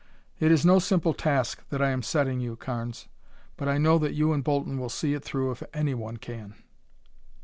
It is no simple task that I am setting you, Carnes, but I know that you and Bolton will see it through if anyone can."